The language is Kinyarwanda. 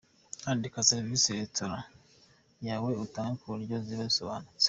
Andika serivisi restaurant yawe itanga ku buryo ziba zisobanutse.